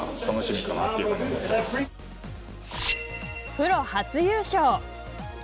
プロ初優勝！